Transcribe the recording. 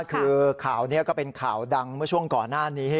คือข่าวนี้ก็เป็นข่าวดังเมื่อช่วงก่อนหน้านี้